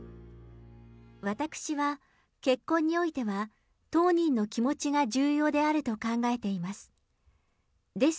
私は、結婚においては、当人の気持ちが重要であると考えています。